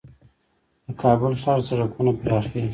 د کابل ښار سړکونه پراخیږي؟